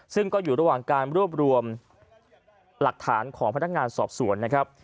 ซึ่งก็อยู่ระหว่างการรวบรวมหลักฐานของพนักงานสอบสวนนะครับ